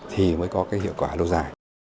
thì mới có cái hiệu quả lâu dài